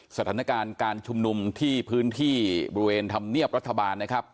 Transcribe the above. สถานการณ์การชุมนุมที่พื้นที่บริเวณธรรมเนียบรัฐบาลนะครับ